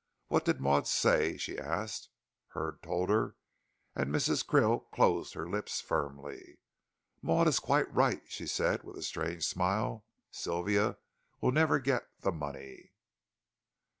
"What did Maud say?" she asked. Hurd told her, and Mrs. Krill closed her lips firmly. "Maud is quite right," she said with a strange smile. "Sylvia will never get the money."